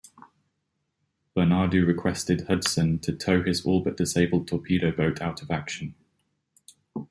Bernadou requested "Hudson" to tow his all-but-disabled torpedo boat out of action.